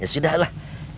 ya sudah lah